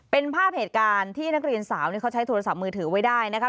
เป็นภาพเหตุการณ์ที่นักเรียนสาวเขาใช้โทรศัพท์มือถือไว้ได้นะครับ